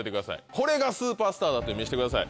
これがスーパースターだというの見してください。